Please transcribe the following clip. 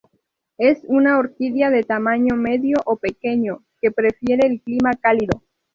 Es una orquídea de tamaño medio o pequeño, que prefiere el clima cálido.